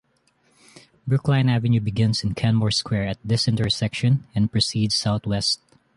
Brookline Avenue begins in Kenmore Square at this intersection and proceeds southwest.